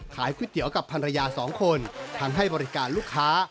ก๋วยเตี๋ยวกับภรรยา๒คนทำให้บริการลูกค้า